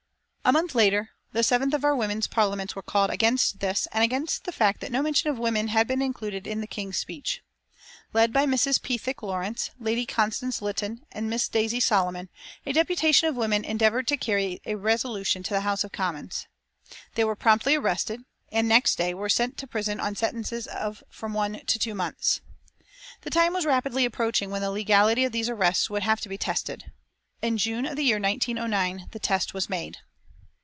A month later the seventh of our Women's Parliaments was called against this and against the fact that no mention of women had been included in the King's speech. Led by Mrs. Pethick Lawrence, Lady Constance Lytton and Miss Daisy Solomon, a deputation of women endeavoured to carry the resolution to the House of Commons. They were promptly arrested and, next day, were sent to prison on sentences of from one to two months. The time was rapidly approaching when the legality of these arrests would have to be tested. In June of the year 1909 the test was made.